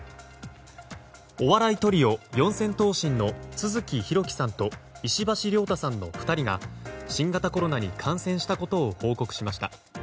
お笑いトリオ四千頭身の都築拓紀さんと石橋遼大さんの２人が新型コロナに感染したことを報告しました。